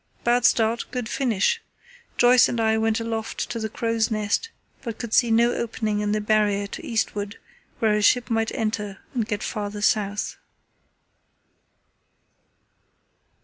Bad start, good finish! Joyce and I went aloft to the crow's nest, but could see no opening in the Barrier to eastward where a ship might enter and get farther south."